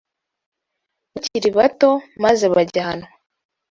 bakiri bato maze bajyanwa